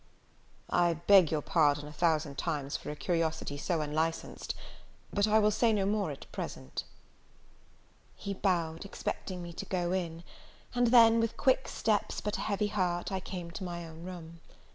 "I beg your pardon a thousand times for a curiosity so unlicensed; but I will say no more at present." He bowed, expecting me to go; and then, with quick steps, but a heavy heart, I came to my own room.